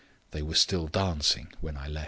They were still dancing when I left.